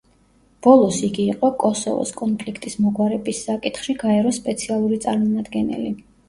ბოლოს იგი იყო კოსოვოს კონფლიქტის მოგვარების საკითხში გაეროს სპეციალური წარმომადგენელი.